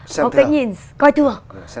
có cái nhìn coi thường